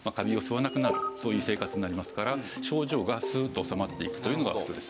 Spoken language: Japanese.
そういう生活になりますから症状がスーッと治まっていくというのが普通です。